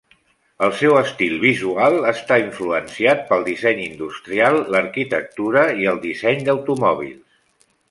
El seu estil visual està influenciat pel disseny industrial, l'arquitectura i el disseny d'automòbils.